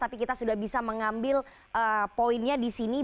tapi kita sudah bisa mengambil poinnya di sini